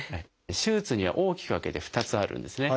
手術には大きく分けて２つあるんですね。